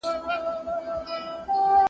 د کلي کلا ډېره پخوانۍ او تاریخي ده.